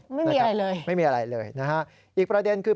ไม่มีอะไรเลยไม่มีอะไรเลยนะฮะอีกประเด็นคือ